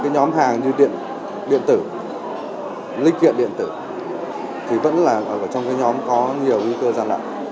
nhóm hàng như điện tử linh kiện điện tử thì vẫn là ở trong cái nhóm có nhiều nguy cơ gian lậm